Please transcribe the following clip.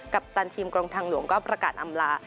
ปตันทีมกรมทางหลวงก็ประกาศอำลา